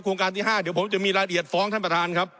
การที่๕เดี๋ยวผมจะมีรายละเอียดฟ้องท่านประธานครับ